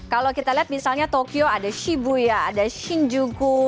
kalau kita lihat misalnya tokyo ada shibuya ada shinjuku